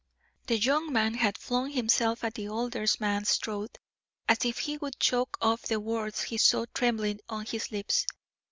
The young man had flung himself at the older man's throat as if he would choke off the words he saw trembling on his lips.